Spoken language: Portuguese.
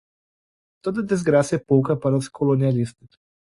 Toda desgraça é pouca para os colonialistas